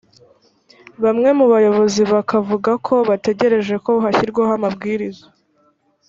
bamwe mu bayobozi bakavuga ko bategereje ko hashyirwaho amabwiriza